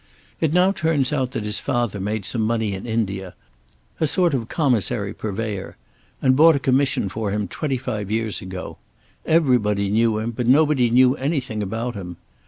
It now turns out that his father made some money in India, a sort of Commissary purveyor, and bought a commission for him twenty five years ago. Everybody knew him but nobody knew anything about him.